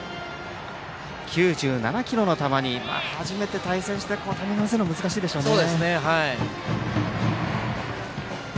９７キロの球に初めて対戦してタイミングを合わせるのは難しいでしょうね。